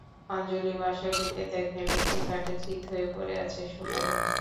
অঞ্জলি বাসায় ঢুকে দেখেন, একটি খাটে চিৎ হয়ে পড়ে আছে সোনালী।